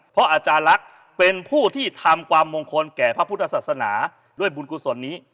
เพราะอาจารย์ลักษณ์เป็นผู้ที่ทำความมงคลแก่พระพุทธศาสนาด้วยบุญกุศลนี้